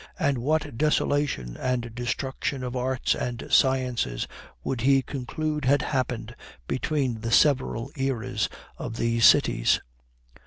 and what desolation and destruction of arts and sciences would he conclude had happened between the several eras of these cities!